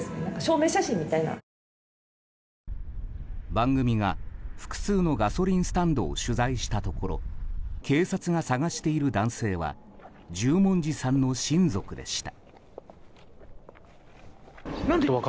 番組が複数のガソリンスタンドを取材したところ警察が捜している男性は十文字さんの親族でした。